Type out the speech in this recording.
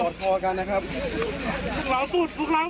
หรือเขาถูก